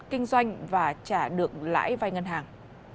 kinh doanh và trả được lãi vai ngân hàng